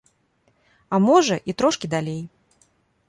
А можа, і трошкі далей.